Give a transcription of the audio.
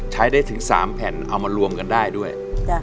ใช้ได้ถึง๓แผ่นเอามารวมกันได้ด้วย